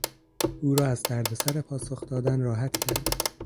او را از دردسر پاسخ دادن راحت کردم.